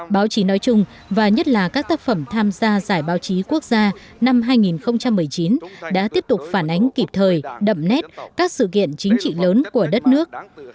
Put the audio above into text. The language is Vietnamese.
báo chí nói chung và nhất là các tác phẩm tham gia giải báo chí quốc gia năm hai nghìn một mươi chín đã tiếp tục phản ánh kịp thời đậm nét các sự kiện chính trị lớn của đất nước